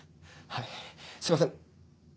はいすいません。